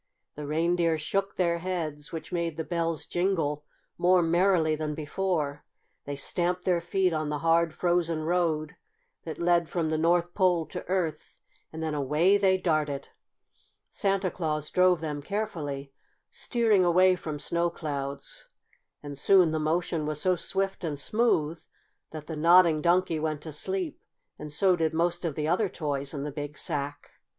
The reindeer shook their heads, which made the bells jingle more merrily than before, they stamped their feet on the hard, frozen road that led from the North Pole to Earth, and then away they darted. Santa Claus drove them carefully, steering away from snow clouds, and soon the motion was so swift and smooth that the Nodding Donkey went to sleep, and so did most of the other toys in the big sack.